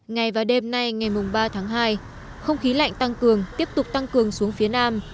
ngày và đêm nay ngày ba tháng hai không khí lạnh tăng cường tiếp tục tăng cường xuống phía nam